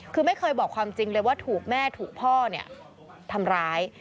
คือไม่เคยบอกความจริงเลยว่าถูกแม่ถูกพ่อทำร้าย